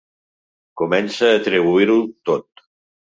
Comença a atribuir-ho tot.